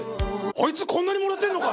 「こいつこんなにもらってるのか！？」